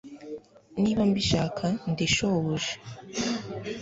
Niba mbishaka ndi shobuja